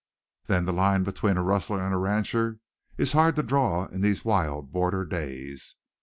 "Then the line between a rustler and a rancher is hard to draw in these wild border days.